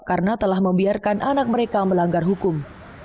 karena telah membiarkan anak mereka melanggar hukum